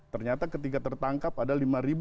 ternyata ketika tertangkap ada lima